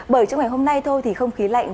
bởi trong ngày hôm nay thôi thì không khí lạnh